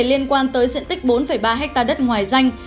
liên quan tới diện tích bốn ba ha đất ngoài danh